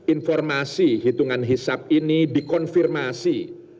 informasi hitungan hisap ini dikonfirmasi